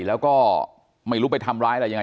แล้วก็ไม่รู้ไปทำร้ายอะไรยังไง